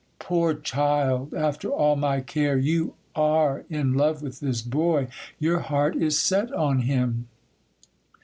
Poor child!—after all my care, you are in love with this boy,—your heart is set on him.